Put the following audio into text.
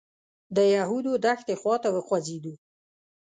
د یهودو دښتې خوا ته وخوځېدو.